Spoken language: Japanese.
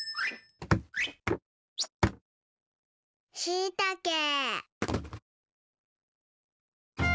しいたけ。